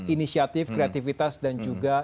inisiatif kreativitas dan juga